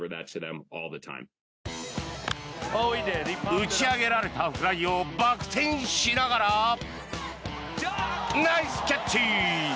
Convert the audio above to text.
打ち上げられたフライをバック転しながらナイスキャッチ。